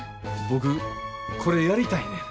僕これやりたいねん。